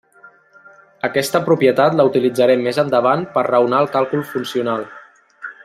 Aquesta propietat la utilitzarem més endavant per raonar el càlcul funcional.